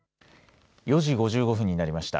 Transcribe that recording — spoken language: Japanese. ４時５５分になりました。